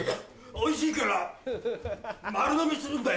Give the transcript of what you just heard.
おいしいから丸のみするんだよ。